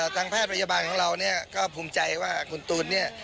ทางแพทย์พยาบาลของเราเนี่ยก็ภูมิใจว่าคุณตูนเนี่ย